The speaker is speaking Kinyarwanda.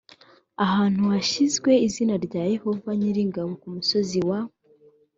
ahantu hashyizwe izina rya yehova nyir’ingabo ku musozi wa